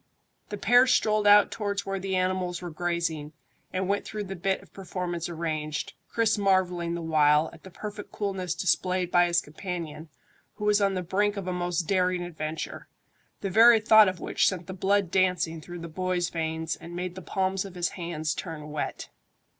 The pair strolled out towards where the animals were grazing, and went through the bit of performance arranged, Chris marvelling the while at the perfect coolness displayed by his companion, who was on the brink of a most daring adventure, the very thought of which sent the blood dancing through the boy's veins and made the palms of his hands turn wet.